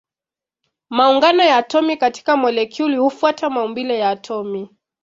Maungano ya atomi katika molekuli hufuata maumbile ya atomi.